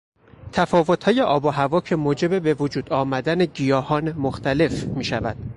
تفاوتهای آب و هوا که موجب بوجود آمدن گیاهان مختلف میشود.